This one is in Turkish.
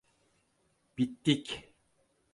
Bittik.